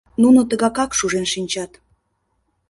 Нуно тыгакак шужен шинчат...